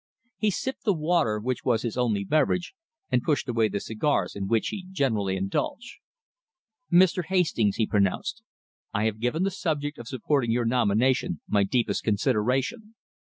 He sipped the water, which was his only beverage, and pushed away the cigars in which he generally indulged. "Mr. Hastings," he pronounced, "I have given the subject of supporting your nomination my deepest consideration.